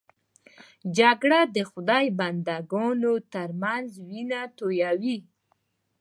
جګړه د خدای بنده ګانو تر منځ وینه تویوي